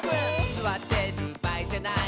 「すわってるばあいじゃない」